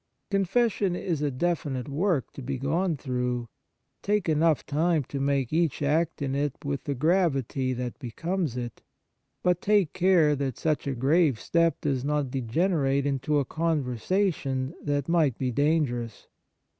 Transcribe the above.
Confession is a definite work to be gone through ; take enough time to make each act in it with the gravity that becomes it ; but take care that such a grave step does not degenerate into a conversation that might be dangerous.